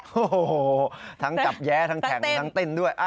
โอ้โหทั้งจับแย้ทั้งแข็งทั้งเต้นด้วย